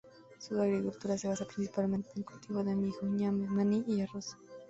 Su agricultura se basa principalmente en el cultivo de mijo, ñame, maní y arroz.